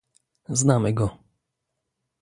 Znamy go